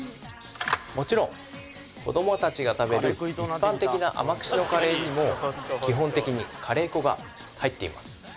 もちろん子どもたちが食べる一般的な甘口のカレーにも基本的にカレー粉が入っています